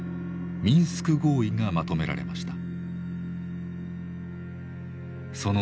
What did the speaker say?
ミンスク合意がまとめられました。